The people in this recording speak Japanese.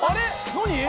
何？